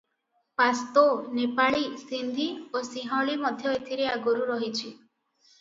ପାସ୍ତୋ, ନେପାଳୀ, ସିନ୍ଧୀ ଓ ସିଂହଳୀ ମଧ୍ୟ ଏଥିରେ ଆଗରୁ ରହିଛି ।